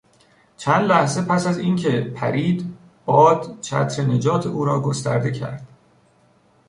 چند لحظه پس از اینکه پرید باد چتر نجات او را گسترده کرد.